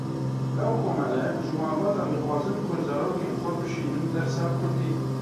Ew komele ji malbatan dixwazin ku zarokên xwe bişînin dersa Kurdî.